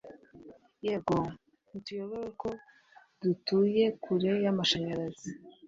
yego ntituyobewe ko dutuye kure y’amashanyarazi